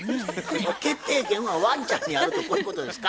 決定権はワンちゃんにあるとこういうことですか？